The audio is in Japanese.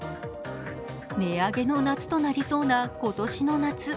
値上げの夏となりそうな今年の夏。